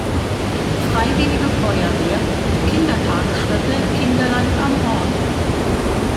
Freiwillige Feuerwehr; Kindertagesstätte "Kinderland am Horn".